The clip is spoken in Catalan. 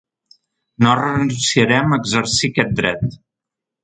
No renunciarem a exercir aquest dret.